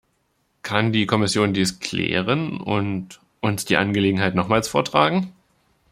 Kann die Kommission dies klären und uns die Angelegenheit nochmals vortragen?